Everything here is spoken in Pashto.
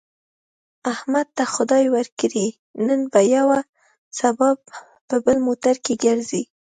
احمد ته خدای ورکړې، نن په یوه سبا په بل موټر کې ګرځي.